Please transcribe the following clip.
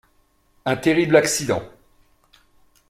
Un terrible accident.